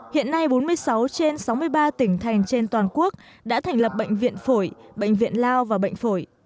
hiện nay bốn mươi sáu trên sáu mươi ba tỉnh thành trên toàn quốc đã thành lập bệnh viện phổi bệnh viện lao và bệnh phổi